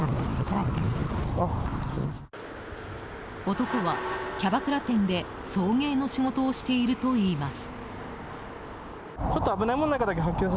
男はキャバクラ店で送迎の仕事をしているといいます。